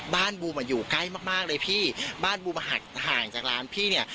บูมอ่ะอยู่ใกล้มากมากเลยพี่บ้านบูมหักห่างจากร้านพี่เนี่ย